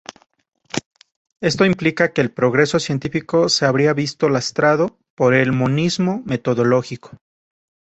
Esto implica que el progreso científico se habría visto lastrado por el monismo metodológico.